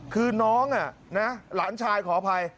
คือน้องหลานชายขออภัย